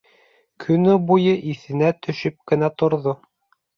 Көнө буйы иҫенә төшөп кенә торҙо.